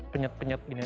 penyet penyet gini aja